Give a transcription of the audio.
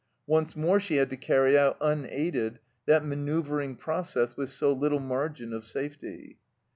Once more she had to carry out unaided that manoeuvring process with so little margin of safety.